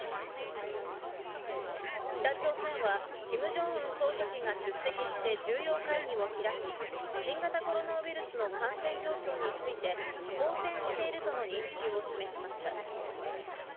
北朝鮮はキム・ジョンウン総書記が出席して重要会議を開き、新型コロナウイルスの感染状況について好転しているとの認識を示しました。